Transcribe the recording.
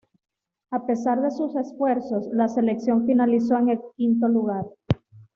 A pesar de sus esfuerzos, la selección finalizó en quinto lugar.